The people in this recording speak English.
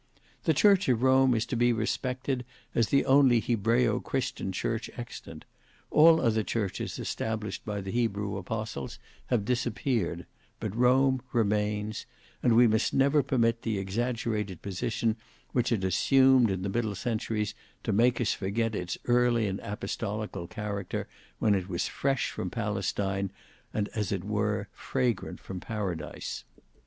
"The church of Rome is to be respected as the only Hebraeo christian church extant; all other churches established by the Hebrew apostles have disappeared, but Rome remains; and we must never permit the exaggerated position which it assumed in the middle centuries to make us forget its early and apostolical character, when it was fresh from Palestine and as it were fragrant from Paradise.